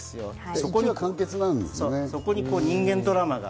そこに完結なんですね。